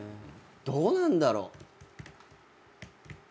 どうなんだろう。